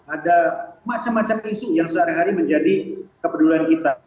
ada macam macam isu yang sehari hari menjadi kepedulian kita